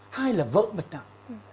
hai là vỡ mạch não